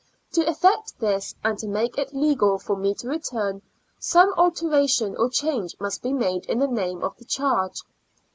To effect this, and to make it legal for me to return, some alteration or change must be made in the name of the charge.